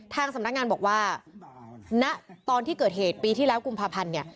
ทางสำนักงานบอกว่าณตอนที่เกิดเหตุปีที่แล้วกุมภาพันธ์เนี่ย